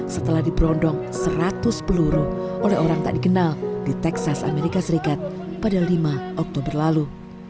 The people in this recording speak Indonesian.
setelah diperondong seratus peluru oleh orang tak dikenal di texas amerika serikat pada lima oktober lalu